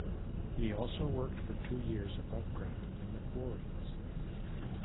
He also worked for two years above ground in the quarries.